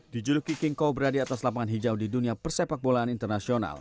di juluki kingkow berada di atas lapangan hijau di dunia persepak bolaan internasional